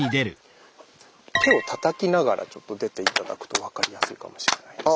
手をたたきながら出て頂くと分かりやすいかもしれないです。